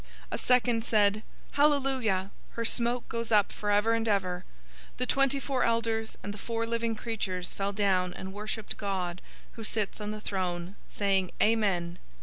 019:003 A second said, "Hallelujah! Her smoke goes up forever and ever." 019:004 The twenty four elders and the four living creatures fell down and worshiped God who sits on the throne, saying, "Amen!